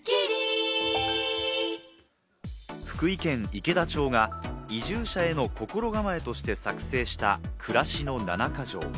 池田町が移住者への心構えとして作成した「暮らしの七か条」。